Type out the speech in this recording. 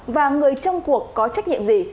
và người trong cuộc có trách nhiệm gì